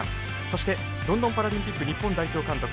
そしてロンドンパラリンピック日本代表監督